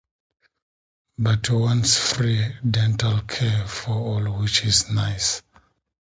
But wants free dental care for all, which is nice.